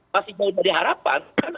masih mau jadi harapan